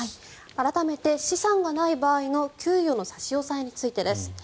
改めて資産がない場合の給与の差し押さえについてです。